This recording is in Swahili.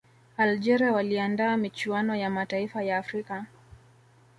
algeria waliandaa michuano ya mataifa ya afrika